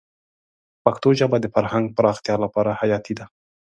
پښتو ژبه د فرهنګ پراختیا لپاره حیاتي ده.